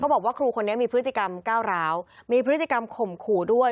บอกว่าครูคนนี้มีพฤติกรรมก้าวร้าวมีพฤติกรรมข่มขู่ด้วย